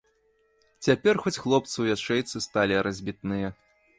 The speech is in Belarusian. Цяпер хоць хлопцы ў ячэйцы сталі разбітныя.